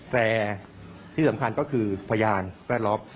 แต่ที่สำคัญก็คือพยายามฐานรอบ